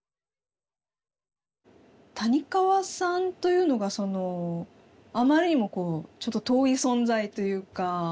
谷川さんというのがそのあまりにもちょっと遠い存在というか。